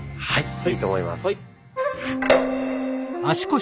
はい。